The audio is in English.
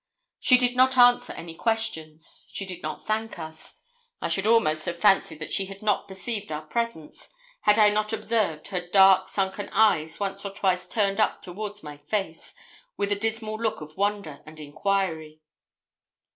She did not answer any questions. She did not thank us. I should almost have fancied that she had not perceived our presence, had I not observed her dark, sunken eyes once or twice turned up towards my face, with a dismal look of wonder and enquiry.